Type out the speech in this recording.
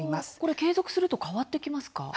継続すると変わってきますか。